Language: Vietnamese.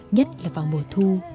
nhất là vào mùa thu